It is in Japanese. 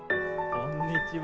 こんにちは。